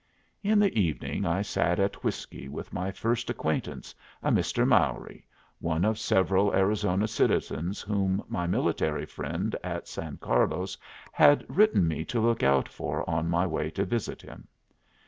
In the evening I sat at whiskey with my first acquaintance, a Mr. Mowry, one of several Arizona citizens whom my military friend at San Carlos had written me to look out for on my way to visit him.